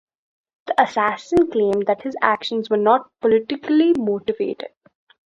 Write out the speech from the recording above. The assassin claimed that his actions were not "politically motivated".